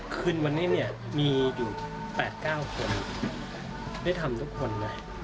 คืนวันนี้เนี่ยมีอยู่๘๙คนได้ทำทุกคนไง